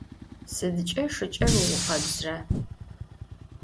Sıdç'e şşıç'er vuukhebzıra?